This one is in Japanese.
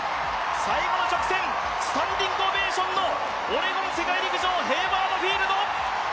最後の直線、スタンディングオベーションのオレゴン世界陸上ヘイワード・フィールド。